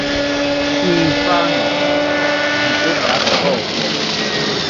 Infano: "Ĝi estas bovo!"